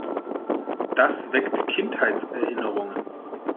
Das weckt Kindheitserinnerungen.